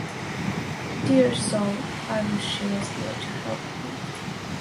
Dear soul, I wish she was here to help me!